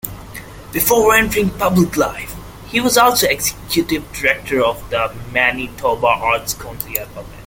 Before entering public life, he was also executive director of the Manitoba Arts Council.